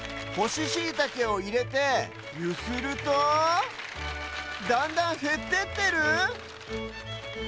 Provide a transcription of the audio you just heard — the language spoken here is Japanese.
ほしシイタケをいれてゆするとだんだんへってってる？